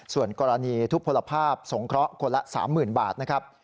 ส่วนกรณีทุกพลภาพสงเคราะห์คนละ๓๐๐๐บาทนะครับ